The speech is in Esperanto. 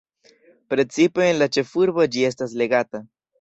Precipe en la ĉefurbo ĝi estas legata.